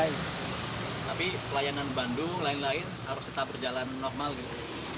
tapi pelayanan bandung lain lain harus tetap berjalan normal gitu